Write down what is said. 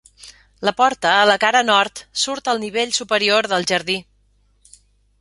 La porta, a la cara nord, surt al nivell superior del jardí.